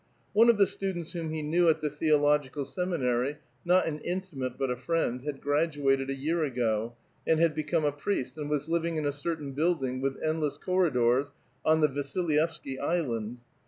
One of title students whom he knew at the theolojjical seminary — not ai.li intimate, but a friend — had graduated a year apjo and had I'^ecome a priest, and was living in a certain building with endless corridors on the Vasilyevsky Island.